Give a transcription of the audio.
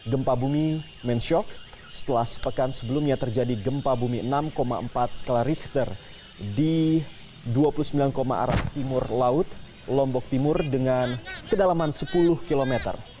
gempa bumi mensyok setelah sepekan sebelumnya terjadi gempa bumi enam empat skala richter di dua puluh sembilan arah timur laut lombok timur dengan kedalaman sepuluh km